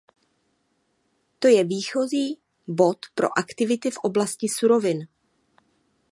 To je výchozí bod pro aktivity v oblasti surovin.